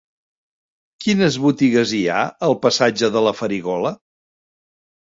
Quines botigues hi ha al passatge de la Farigola?